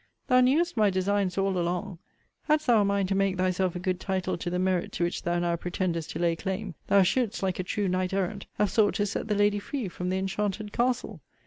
Thou knewest my designs all along. Hadst thou a mind to make thyself a good title to the merit to which thou now pretendest to lay claim, thou shouldest, like a true knight errant, have sought to set the lady free from the enchanted castle.